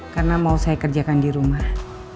karena mau saya kerjakan di rumah